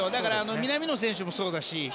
南野選手もそうだし。